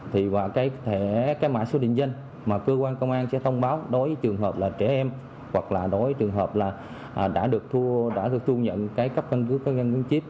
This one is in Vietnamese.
thì cái mã số định danh mà cơ quan công an sẽ thông báo đối với trường hợp là trẻ em hoặc là đối với trường hợp là đã được thu nhận cái cấp căn cước gắn gắn chip